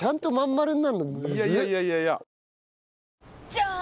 じゃーん！